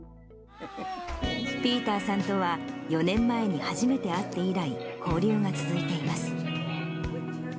ピーターさんとは４年前に初めて会って以来、交流が続いています。